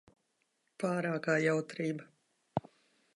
Pārākā jautrība.